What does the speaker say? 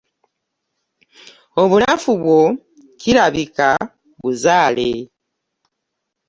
Obunafu bwo kirabika buzaale.